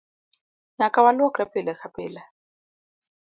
Nyaka walwokre pile ka pile.